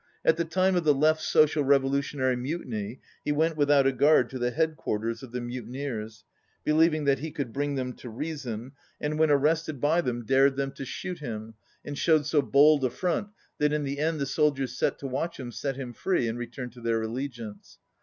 At the time of the Left Social Revolu tionary mutiny he went without a guard to the headquarters of the mutineers, believing that he could bring them to reason, and w'hen arrested by 109 them dared them to shoot him and showed so bold a front that in the end the soldiers set to watch him set him free and returned to their allegiance.